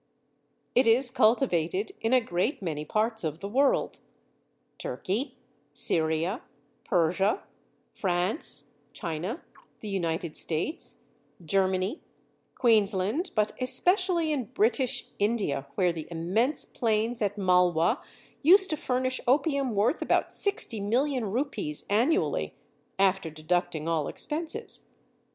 It is cultivated in a great many parts of the world Turkey, Syria, Persia, France, China, the United States, Germany, Queensland, but especially in British India, where the immense plains at Malwa used to furnish opium worth about sixty million rupees annually (after deducting all expenses).